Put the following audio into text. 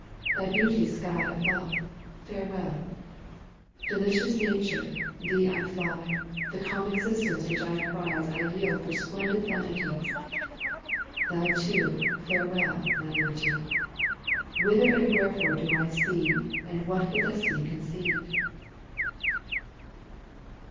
Thou beauteous sky above, farewell ! Delicious nature, thee I fly. The calm existence which I prize I yield for splendid vanities. Thou too farewell, my liberty ! Whither and wherefore do I speed And what will Destiny concede?"